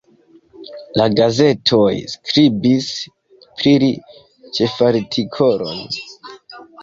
La gazetoj skribis pli li ĉefartikolon.